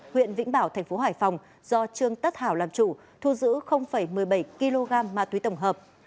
huyện vĩnh bảo thành phố hải phòng do trương tất hảo làm chủ thu giữ một mươi bảy kg ma túy tổng hợp